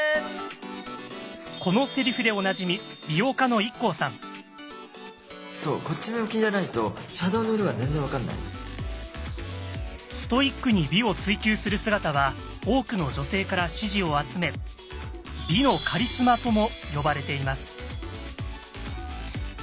このセリフでおなじみストイックに美を追求する姿は多くの女性から支持を集め「美のカリスマ」とも呼ばれています。